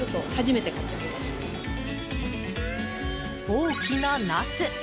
大きなナス。